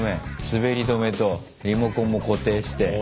滑り止めとリモコンも固定して。